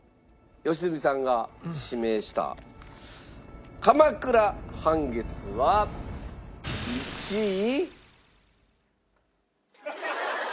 良純さんが指名した鎌倉半月は１位。